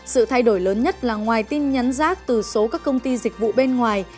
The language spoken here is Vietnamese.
sự thay đổi lớn nhất là ngoài tin nhắn rác từ số các công ty dịch vụ bên ngoài